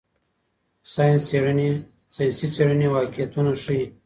ساینسي څېړنې واقعیتونه ښيي.